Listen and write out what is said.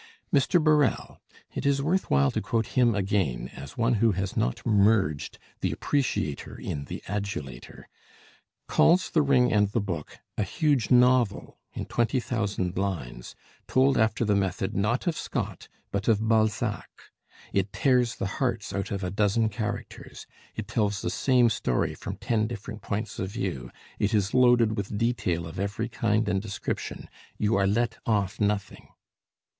Mr. Birrell (it is worth while to quote him again, as one who has not merged the appreciator in the adulator) calls 'The Ring and the Book' "a huge novel in 20,000 lines told after the method not of Scott, but of Balzac; it tears the hearts out of a dozen characters; it tells the same story from ten different points of view. It is loaded with detail of every kind and description: you are let off nothing."